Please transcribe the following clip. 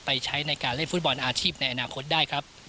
ใช้ในการเล่นฟุตบอลอาชีพในอนาคตได้ครับ